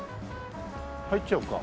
入っちゃおうか。